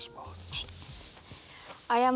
はい。